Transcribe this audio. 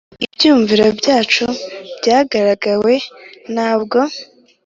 ibyumviro byacu, byagaruwe, ntabwo